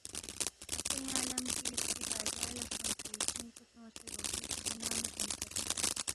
اپو ینگ لم چِگی فری بازار لہ سونگسے شِنگ پو ژونگسے روٹی کُھورے ننگ نُو تھونسید